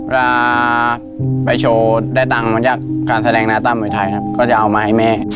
เวลาไปโชว์ได้ตังค์มาจากการแสดงนาตั้มมวยไทยครับก็จะเอามาให้แม่